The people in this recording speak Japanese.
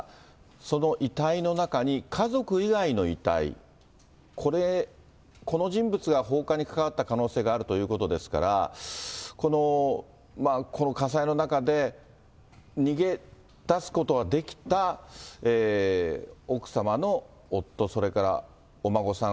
その遺体の中に、家族以外の遺体、これ、この人物が放火に関わった可能性があるということですから、この火災の中で、逃げ出すことができた奥様の夫、それからお孫さん